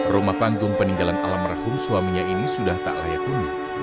rumah panggung peninggalan alam rahum suaminya ini sudah tak layak huni